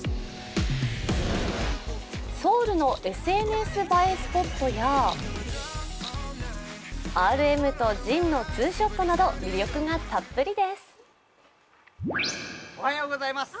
ソウルのＳＮＳ映えスポットや、ＲＭとＪＩＮのツーショットなど魅力がたっぷりです。